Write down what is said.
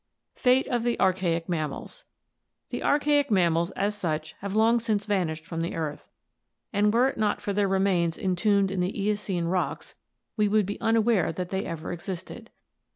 Fate of the Archaic Mammals. — The archaic mammals as such have long since vanished from the earth, and were it not for their remains entombed in the Eocene rocks we would be unaware that they ever existed.